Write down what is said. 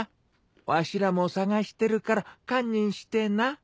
わしらも捜してるから堪忍してな。